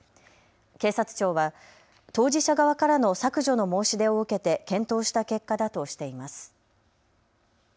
警察庁は当事者側からの削除の申し出を受けて検討した結果だとしています。